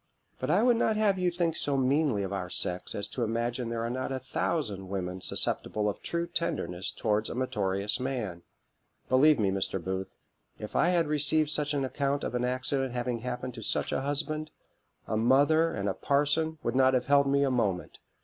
But I would not have you think so meanly of our sex as to imagine there are not a thousand women susceptible of true tenderness towards a meritorious man. Believe me, Mr. Booth, if I had received such an account of an accident having happened to such a husband, a mother and a parson would not have held me a moment.